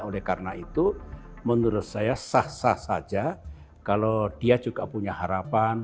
oleh karena itu menurut saya sah sah saja kalau dia juga punya harapan